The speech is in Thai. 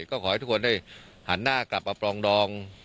ก็ขอให้ทุกคนได้หันหน้ากลับมาปรองดอง